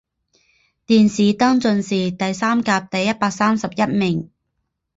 殿试登进士第三甲第一百三十一名。